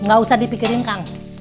gak usah dipikirin kang